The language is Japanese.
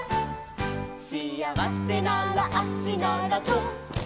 「しあわせなら足ならそう」